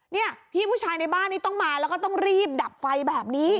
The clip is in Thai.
นี่พี่ผู้ชายในบ้านนี้ต้องมาแล้วก็ต้องรีบดับไฟแบบนี้